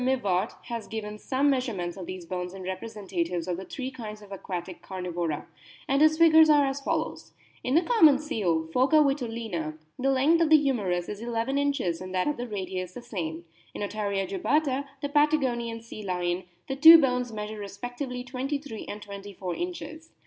Mivart* has owen some O measurements of these bones in representatives of the three kinds of aquatic Carnivora, and his figures are as follows : "In the common seal, Phoca vitulina, the length of the humerus is 1 1 inches and that of the radius the same ; in Otaria jubata, the Patagonian sea lion, the two bones measure respectively 23 and 24 inches.